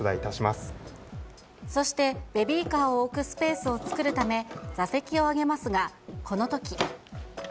そして、ベビーカーを置くスペースを作るため、座席を上げますが、このとき。